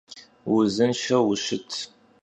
Vuzınşşeu vuşıt!